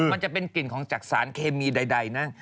มันจะเป็นกลิ่นของจักษานเคมีใดนะ